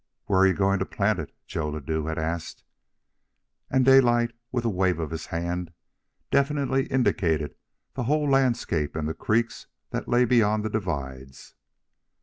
"Where are you going to plant it?" Joe Ladue had asked. And Daylight, with a wave of his hand, definitely indicated the whole landscape and the creeks that lay beyond the divides.